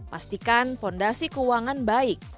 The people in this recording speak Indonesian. pastikan fondasi keuangan baik